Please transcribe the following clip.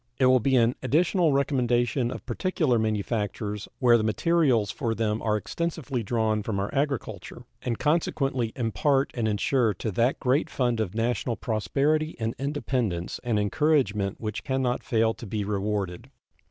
It will be an additional recommendation of particular manufactures where the materials for them are extensively drawn from our agriculture, and consequently impart and insure to that great fund of national prosperity and independence an encouragement which can not fail to be rewarded.